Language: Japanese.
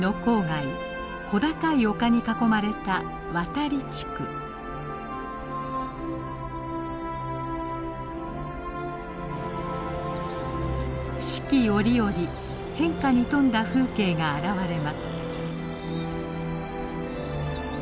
小高い丘に囲まれた四季折々変化に富んだ風景が現れます。